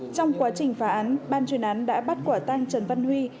trong quá trình phá án ban chuyên án đã bắt quả tang trần văn huy